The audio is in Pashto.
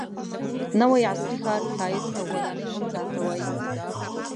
نوي عصري ښار ښایست او ودانۍ هم ځان ته وایي.